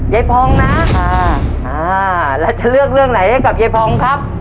ค่ะเราจะเลือกเรื่องไหนให้กับไงพองครับ